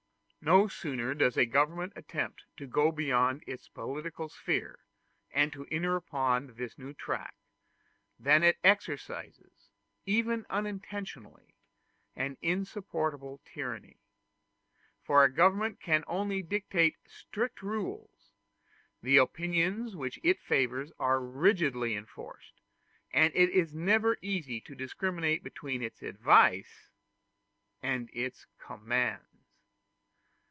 No sooner does a government attempt to go beyond its political sphere and to enter upon this new track, than it exercises, even unintentionally, an insupportable tyranny; for a government can only dictate strict rules, the opinions which it favors are rigidly enforced, and it is never easy to discriminate between its advice and its commands.